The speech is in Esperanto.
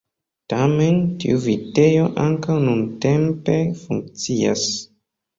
Tamen tiu vitejo ankaŭ nuntempe funkcias.